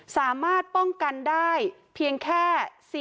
สามารถป้องกันได้แค่๔๑๓